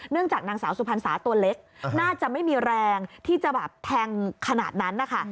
จากนางสาวสุพรรษาตัวเล็กน่าจะไม่มีแรงที่จะแบบแทงขนาดนั้นนะคะ